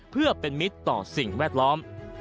เพื่อเป็นมิตรต่อสิ่งแวดล้อม